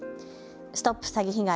ＳＴＯＰ詐欺被害！